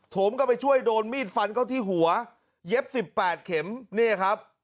โถมเข้าไปช่วยโดนมีดฟันเข้าที่หัวเย็บ๑๘เข็มนี่ครับ